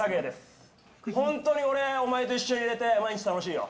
俺、本当にお前と一緒にいれて毎日楽しいよ。